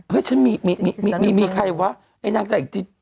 เฮ้ยฉันมีมีใครวะไอ้นางจักรจิต